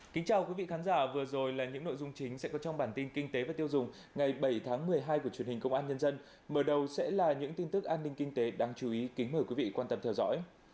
xin chào quý vị khán giả vừa rồi là những nội dung chính sẽ có trong bản tin kinh tế và tiêu dùng ngày bảy tháng một mươi hai của truyền hình công an nhân dân mở đầu sẽ là những tin tức an ninh kinh tế đáng chú ý kính mời quý vị quan tâm theo dõi